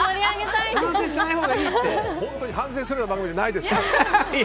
本当に反省するような番組じゃないですから。